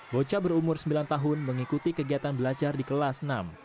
bocah berumur sembilan tahun mengikuti kegiatan belajar di kelas enam